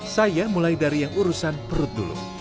saya mulai dari yang urusan perut dulu